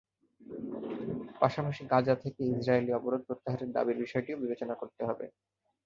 পাশাপাশি গাজা থেকে ইসরায়েলি অবরোধ প্রত্যাহারের দাবির বিষয়টিও বিবেচনা করতে হবে।